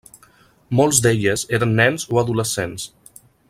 Molts d'elles eren nens o adolescents.